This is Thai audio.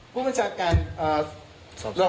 สื่อสรุปกันเอง